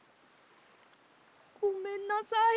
ごめんなさい。